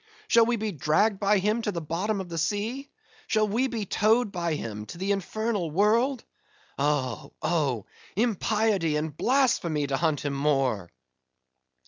Shall we be dragged by him to the bottom of the sea? Shall we be towed by him to the infernal world? Oh, oh,—Impiety and blasphemy to hunt him more!"